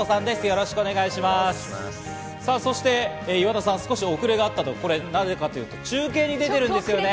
そして岩田さん、少し遅れがあって、なぜかというと中継に出ているんですよね。